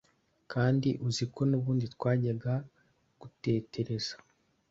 Kandi uzi ko n’ubundi ntajyaga ngutetereza!